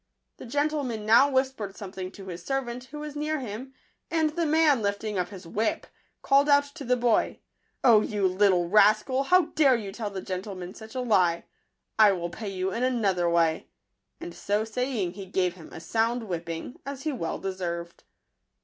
The gentleman now whispered something to his servant, who was near him ; and the man, lifting up his whip, called out to the boy, " O you little rascal ! how dare you tell the gentleman such a lie! I will pay you in another way and so saying, he gave him a sound whipping, as he well de served.